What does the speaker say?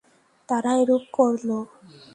তারা এরূপ করল।